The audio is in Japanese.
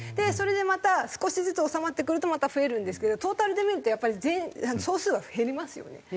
それでまた少しずつ収まってくるとまた増えるんですけどトータルで見るとやっぱり総数は減りますよね。